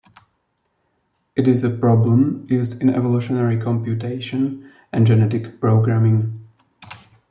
It is a problem used in evolutionary computation and genetic programming.